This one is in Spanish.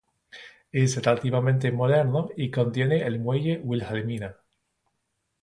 Es relativamente moderno y contiene el Muelle Wilhelmina.